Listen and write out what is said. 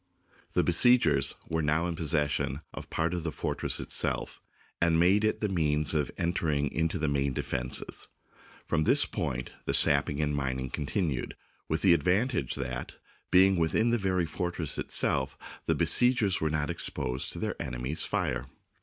The besiegers were now in possession of part of the fortress itself, and made it the means of enter ing into the main defences. From this point the sap ping and mining continued, with the advantage that, being within the very fortress itself, the be siegers were not exposed to their enemy's fire.